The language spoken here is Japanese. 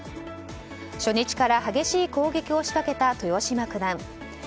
初日から激しい攻撃を仕掛けた豊島九段。